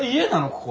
ここ。